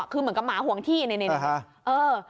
คือเหมือนกับหมาห่วงที่นี่